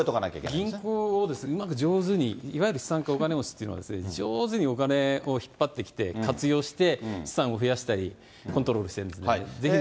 銀行をうまく上手に、いわゆる資産家、お金持ちというのは、上手にお金を引っ張ってきて、活用して、資産を増やしたり、コントロールしてるんですね。